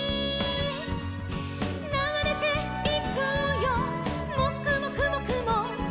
「ながれていくよもくもくもくも」